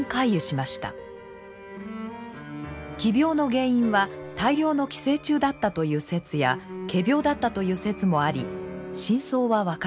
奇病の原因は大量の寄生虫だったという説や仮病だったという説もあり真相は分かりません。